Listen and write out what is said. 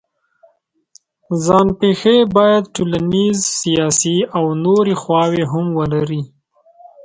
ځان پېښې باید ټولنیز، سیاسي او نورې خواوې هم ولري.